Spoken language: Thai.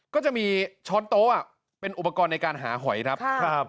ก็จะมีช้อนโต๊ะเป็นอุปกรณ์ในการหาหอยครับ